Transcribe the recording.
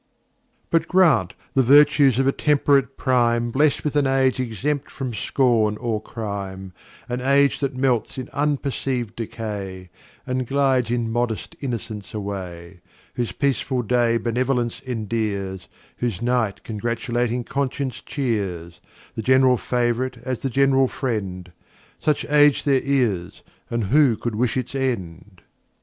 But grant, the Virtues of a temp'rate Prime Bless with an Age exempt from Scorn or Crime; An Age that melts in unperceiv'd Decay, And glides in modest Innocence away; Whose peaceful Day Benevolence endears, Whose Night congratulating Conscience cheers; The gen'ral Fav'rite as the gen'ral Friend: Such Age there is, and who could wish its End?